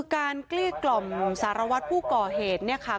เกลี้ยกล่อมสารวัตรผู้ก่อเหตุเนี่ยค่ะ